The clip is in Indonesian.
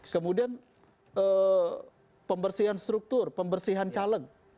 kemudian pembersihan struktur pembersihan caleg